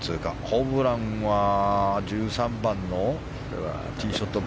ホブランは１３番のティーショット。